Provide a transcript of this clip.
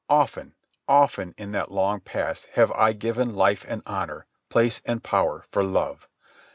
Often, often, in that long past have I given life and honour, place and power for love.